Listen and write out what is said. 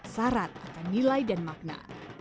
syarat akan nilai dan makna